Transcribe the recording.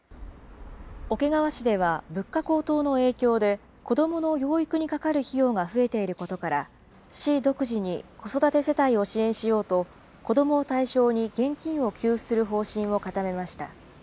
桶川市では物価高騰の影響で、子どもの養育にかかる費用が増えていることから、市独自に、子育て世帯を支援しようと、子どもを対象に現金を給付する方針を固めました。